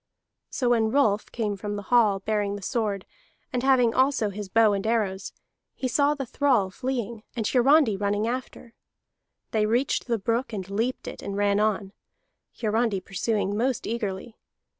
So when Rolf came from the hall, bearing the sword, and having also his bow and arrows, he saw the thrall fleeing, and Hiarandi running after. They reached the brook, and leaped it, and ran on, Hiarandi pursuing most eagerly.